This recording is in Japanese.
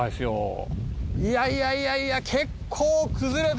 いやいやいやいや。